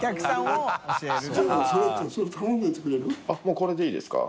もうこれでいいですか？